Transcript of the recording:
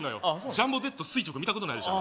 ジャンボジェット垂直見たことないでしょ？